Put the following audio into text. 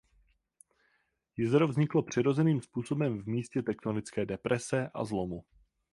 Jezero vzniklo přirozeným způsobem v místě tektonické deprese a zlomu.